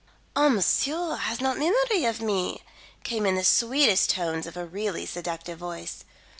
"Ah, monsieur has not memory of me," came in the sweetest tones of a really seductive voice.